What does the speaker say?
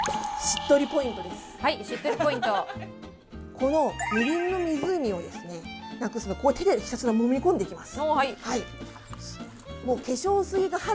このみりんの湖をなくすの、手でひたすらもみ込んでいきます。